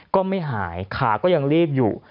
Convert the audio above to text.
ก็ไม่หายขาก็ยังรีบอยู่